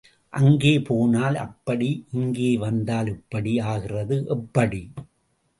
அங்கே போனால் அப்படி இங்கே வந்தால் இப்படி ஆகிறது எப்படி?